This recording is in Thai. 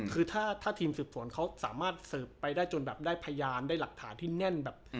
คือถ้าทีมสืบสวนเขาสามารถสืบไปได้จนแบบได้พยานได้หลักฐานที่แน่นแบบ